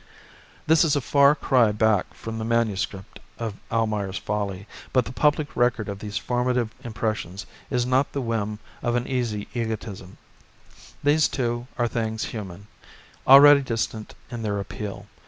This is a far cry back from the MS. of "Almayer's Folly," but the public record of these formative impressions is not the whim of an uneasy egotism. These, too, are things human, already distant in their appeal.